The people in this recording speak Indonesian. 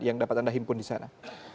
yang dapat anda himpun di sana